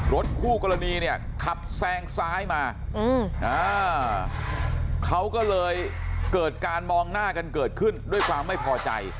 รถคู่กรณีเนี่ยขับแซงซ้ายมาเขาก็เลยเกิดการมองหน้ากันเกิดขึ้นด้วยความไม่พอใจ